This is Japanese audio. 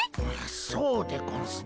そうでゴンスな。